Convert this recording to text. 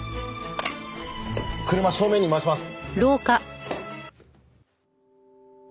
車正面に回します！